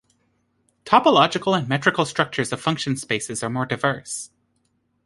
Topological and metrical structures of function spaces are more diverse.